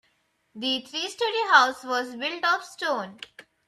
The three story house was built of stone.